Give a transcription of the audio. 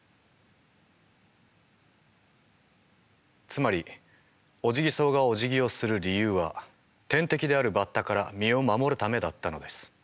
つまりオジギソウがおじぎをする理由は天敵であるバッタから身を守るためだったのです。